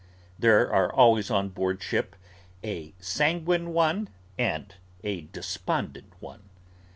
There are always on board ship, a Sanguine One, and a Despondent One.